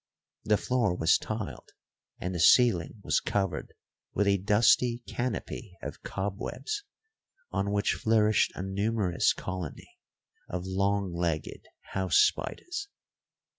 The floor was tiled, and the ceiling was covered with a dusty canopy of cobwebs, on which flourished a numerous colony of long legged house spiders.